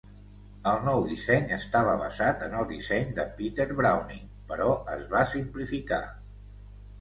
El nou disseny estava basat en el disseny de Petter-Browning però es va simplificar.